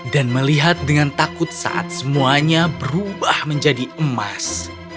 dan melihat dengan takut saat semuanya berubah menjadi emas